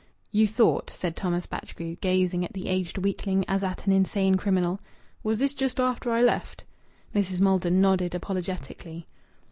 "You thought!" said Thomas Batchgrew, gazing at the aged weakling as at an insane criminal. "Was this just after I left?" Mrs. Maldon nodded apologetically.